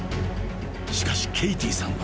［しかしケイティさんは］